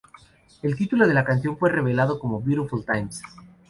El título de la canción fue revelado como "Beautiful Times".